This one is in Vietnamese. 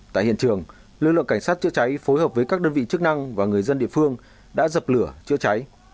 tại hiện trường lực lượng cảnh sát chữa cháy phối hợp với các đơn vị chức năng và người dân địa phương đã dập lửa chữa cháy